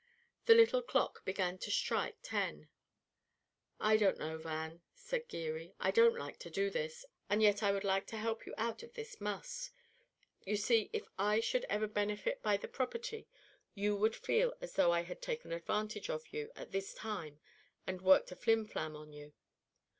The little clock began to strike ten. "I don't know, Van," said Geary; "I don't like to do this, and yet I would like to help you out of this muss. You see, if I should ever benefit by the property you would feel as though I had taken advantage of you at this time and worked a flim flam on you!"